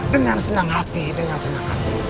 dengan senang hati dengan senang hati